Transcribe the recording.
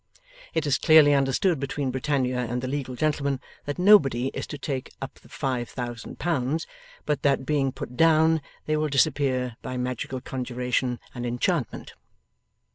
It is clearly understood between Britannia and the legal gentleman that nobody is to take up the five thousand pounds, but that being put down they will disappear by magical conjuration and enchantment.